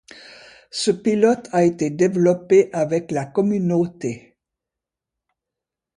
Ce pilote a été développé avec la communauté.